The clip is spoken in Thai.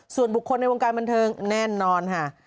ส่วนบุคคลในวงการบันเทิงแน่นอนค่ะ